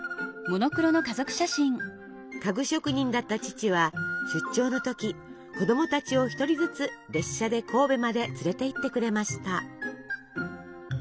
家具職人だった父は出張の時子供たちを一人ずつ列車で神戸まで連れていってくれました。